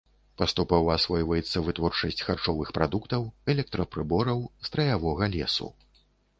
Паступова асвойваецца вытворчасць харчовых прадуктаў, электрапрыбораў, страявога лесу.